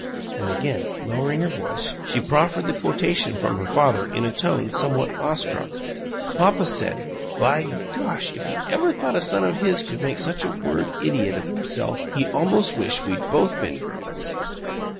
And again lowering her voice, she proffered the quotation from her father in atone somewhat awe struck: "Papa said, by Gosh! if he ever 'a' thought a son of his could make such a Word idiot of himself he almost wished we'd both been girls!"